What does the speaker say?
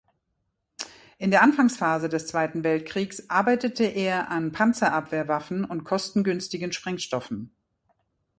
In der Anfangsphase des Zweiten Weltkriegs arbeitete er an Panzerabwehrwaffen und kostengünstigen Sprengstoffen.